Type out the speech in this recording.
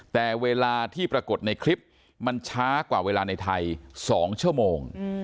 แต่เวลาที่ปรากฏในคลิปมันช้ากว่าเวลาในไทย๒ชั่วโมง